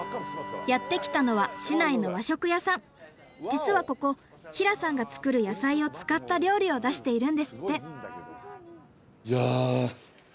実はここ平さんが作る野菜を使った料理を出しているんですって。